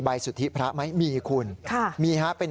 พระขู่คนที่เข้าไปคุยกับพระรูปนี้